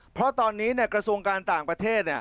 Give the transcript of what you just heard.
เพราะตอนนี้กระทรวงการต่างประเทศ